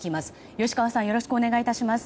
吉川さんよろしくお願いいたします。